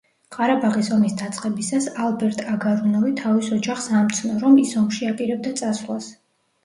ყარაბაღის ომის დაწყებისას, ალბერტ აგარუნოვი თავის ოჯახს ამცნო, რომ ის ომში აპირებდა წასვლას.